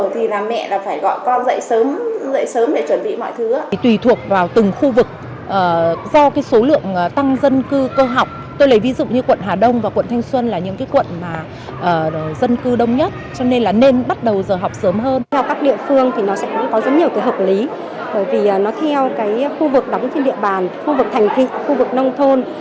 theo các địa phương thì nó sẽ có rất nhiều hợp lý bởi vì nó theo khu vực đóng trên địa bàn khu vực thành thị khu vực nông thôn